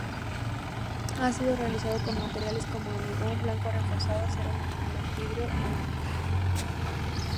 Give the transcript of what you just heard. Ha sido realizado con materiales como hormigón blanco reforzado, acero laminado, vidrio y mármol.